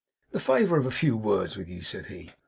"The favour of a few words with you?" said he.